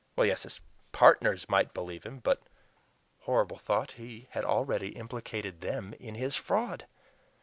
Yes, his partners might believe him; but, horrible thought, he had already implicated THEM in his fraud!